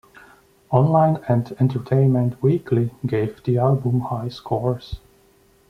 Online and "Entertainment Weekly" gave the album high scores.